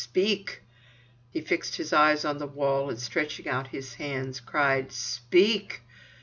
"Speak!" He fixed his eyes on the wall, and stretching out his hands, cried: "Speak!"